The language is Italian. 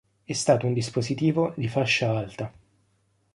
È stato un dispositivo di fascia alta.